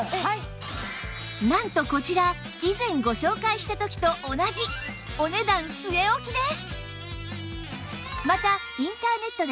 なんとこちら以前ご紹介した時と同じお値段据え置きです